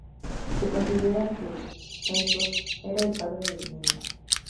Se considera que Tissot era el padre del niño.